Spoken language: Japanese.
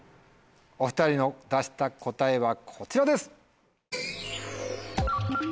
お２人の出した答えはこちらです。